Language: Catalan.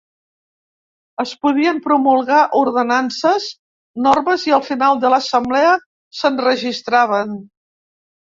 Es podien promulgar ordenances i normes i al final de l'assemblea s'enregistraven.